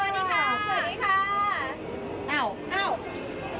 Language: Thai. เดี๋ยวนะครับ